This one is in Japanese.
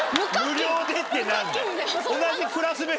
無料でって何だよ。